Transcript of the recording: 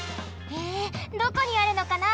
へえどこにあるのかな？